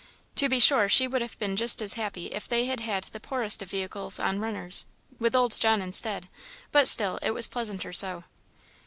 To be sure, she would have been just as happy if they had had the poorest of vehicles on runners, with old John instead; but still it was pleasanter so.